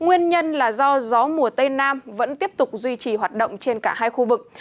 nguyên nhân là do gió mùa tây nam vẫn tiếp tục duy trì hoạt động trên cả hai khu vực